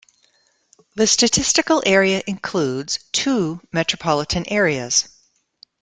The statistical area includes two metropolitan areas.